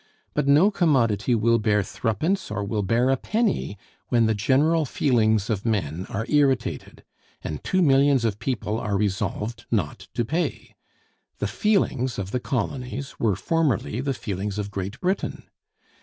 But no commodity will bear threepence, or will bear a penny, when the general feelings of men are irritated; and two millions of people are resolved not to pay. The feelings of the colonies were formerly the feelings of Great Britain.